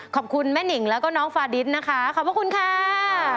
ขอบคุณแม่หนิงแล้วก็น้องฟาดิสนะคะขอบพระคุณค่ะ